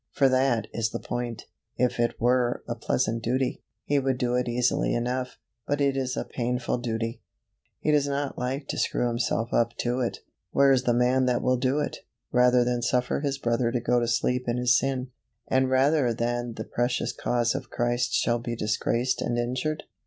for that is the point. If it were a pleasant duty, he would do it easily enough; but it is a painful duty, he does not like to screw himself up to it. Where is the man that will do it, rather than suffer his brother to go to sleep in his sin, and rather than the precious cause of Christ shall be disgraced and injured?